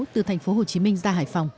từ tp hồ chí minh ra hải phòng